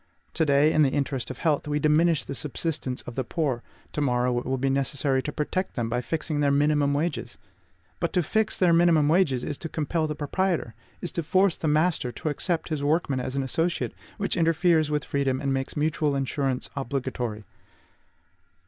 To day, in the interest of health, we diminish the subsistence of the poor; to morrow it will be necessary to protect them by fixing their MINIMUM wages. But to fix their minimum wages is to compel the proprietor, is to force the master to accept his workman as an associate, which interferes with freedom and makes mutual insurance obligatory.